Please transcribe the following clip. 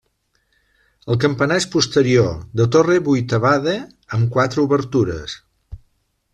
El campanar és posterior, de torre vuitavada, amb quatre obertures.